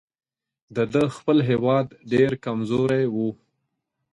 د ده خپل هیواد ډېر کمزوری وو.